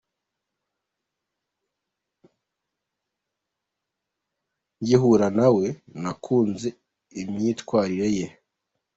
Ngihura na we, nakunze imyitwarire ye.